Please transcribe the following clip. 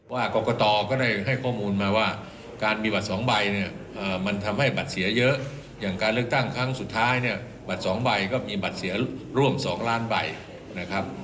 ว่ากรกตก็ได้ให้ข้อมูลมาว่าการมีบัตร๒ใบเนี่ยมันทำให้บัตรเสียเยอะอย่างการเลือกตั้งครั้งสุดท้ายเนี่ยบัตร๒ใบก็มีบัตรเสียร่วม๒ล้านใบนะครับ